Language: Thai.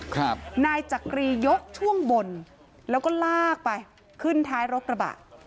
ครับนายจักรียกช่วงบนแล้วก็ลากไปขึ้นท้ายรถกระบะ